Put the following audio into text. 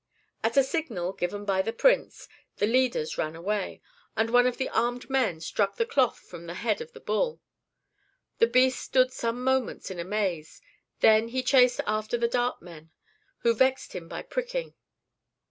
At a signal, given by the prince, the leaders ran away, and one of the armed men struck the cloth from the head of the bull. The beast stood some moments in a maze; then he chased after the dart men, who vexed him by pricking.